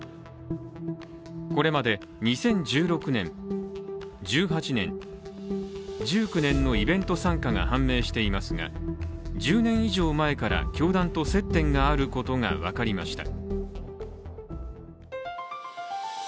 これまで２０１６年、１８年、１９年のイベント参加が判明していますが１０年以上前から教団と接点があることが分かりました。